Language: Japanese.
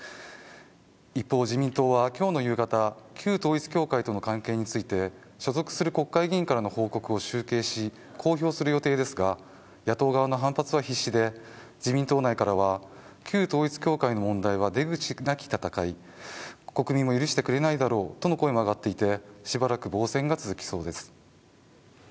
一方、自民党は今日の夕方、旧統一教会との関係について所属する国会議員からの報告を集計し、公表する予定ですが野党側の反発は必至で自民党内からは旧統一教会の問題は出口なき戦い、国民も許してくれないだろうとの声も上がっていてしばらく防戦が続きそうです。